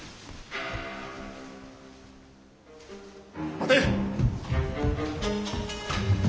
待て！